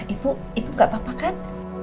ibu ibu gak apa apa kan